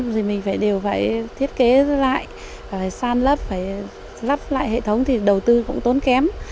thì mình đều phải thiết kế lại phải san lấp phải lắp lại hệ thống thì đầu tư cũng tốn kém